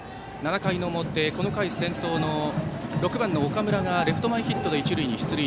７回の表、この回先頭の６番の岡村がレフト前ヒットで一塁に出塁。